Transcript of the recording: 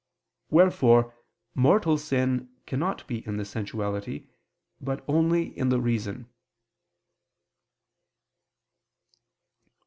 Wherefore mortal sin cannot be in the sensuality, but only in the reason.